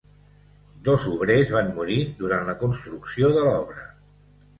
Dos obrers van morir durant la construcció de l'obra.